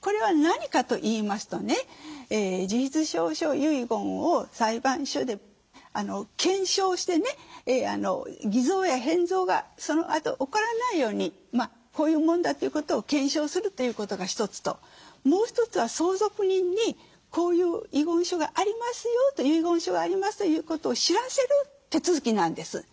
これは何かと言いますとね自筆証書遺言を裁判所で検証してね偽造や変造がそのあと起こらないようにこういうもんだということを検証するということが一つともう一つは相続人にこういう遺言書がありますよと遺言書がありますということを知らせる手続きなんです。